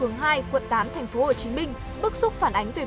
gần đây một tài khoản youtube có tên là thầylong chín